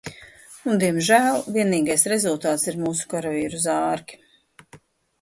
Un diemžēl vienīgais rezultāts ir mūsu karavīru zārki.